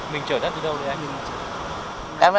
mình chở đất đi đâu đấy anh